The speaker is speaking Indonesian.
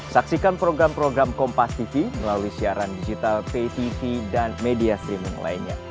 saksikan program program kompas tv melalui siaran digital pay tv dan media streaming lainnya